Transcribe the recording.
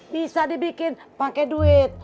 bisa dibikin pakai duit